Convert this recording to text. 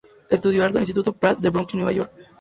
Estudió arte en el Instituto Pratt de Brooklyn, Nueva York.